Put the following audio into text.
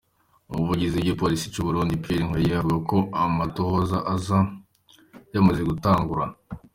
Umuvugizi w'igipolisi c'Uburundi Pierre Nkurikiye avuga ko amatohoza aza yamaze gutangura .